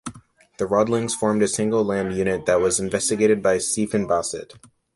The Rodings formed a single land unit that was investigated by Stephen Basset.